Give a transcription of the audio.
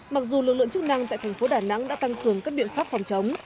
mặc dù lực lượng chức năng tại thành phố đà nẵng đã tăng cường các biện pháp phòng chống